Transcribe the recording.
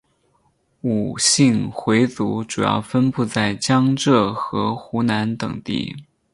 伍姓回族主要分布在江浙和湖南等地。